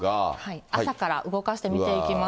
朝から動かして見ていきます